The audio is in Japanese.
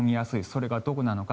それがどこなのか。